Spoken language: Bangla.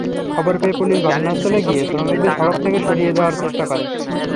খবর পেয়ে পুলিশ ঘটনাস্থলে গিয়ে শ্রমিকদের সড়ক থেকে সরিয়ে দেওয়ার চেষ্টা করে।